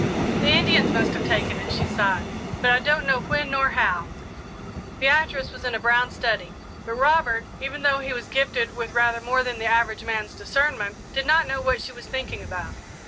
"The Indians must have taken it," she sighed, "but I don't know when nor how." Beatrice was in a brown study, but Robert, even though he was gifted with rather more than the average man's discernment, did not know what she was thinking about.